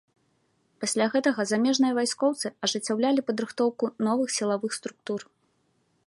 Пасля гэтага замежныя вайскоўцы ажыццяўлялі падрыхтоўку новых сілавых структур.